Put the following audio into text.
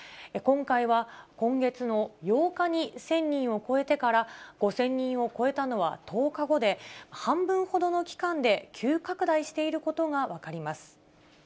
今回は、今月の８日に１０００人を超えてから、５０００人を超えたのは１０日後で、半分ほどの期間で急拡大していることが分かります。